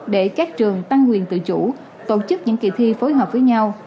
để các trường tăng quyền tự chủ tổ chức những kỳ thi phối hợp với nhau